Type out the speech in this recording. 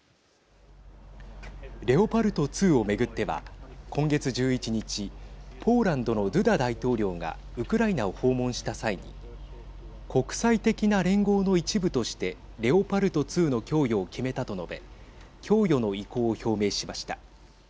レオパルト２を巡っては今月１１日ポーランドのドゥダ大統領がウクライナを訪問した際に国際的な連合の一部としてレオパルト２の供与を決めたと述べ供与の意向を表明しました。